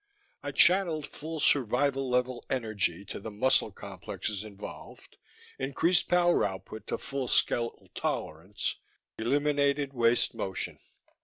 I channeled full survival level energy to the muscle complexes involved, increased power output to full skeletal tolerance, eliminated waste motion.